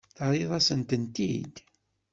Terriḍ-asen-tent-id?